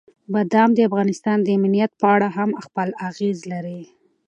بادام د افغانستان د امنیت په اړه هم خپل اغېز لري.